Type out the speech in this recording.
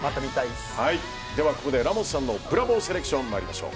ここでラモスさんのブラボーセレクション参りましょう。